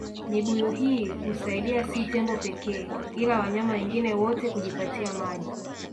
Mibuyu hii husaidia si tembo pekee ila wanyama wengine wote kujipatia maji